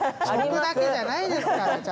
食だけじゃないですから。